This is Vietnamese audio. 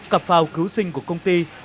cặp phao cứu sinh của công ty